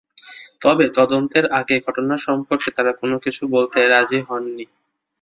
তবে তদন্তের আগে ঘটনা সম্পর্কে তাঁরা কোনো কিছু বলতে রাজি হননি।